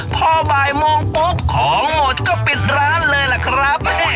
พอบ่ายโมงปุ๊บของหมดก็ปิดร้านเลยล่ะครับ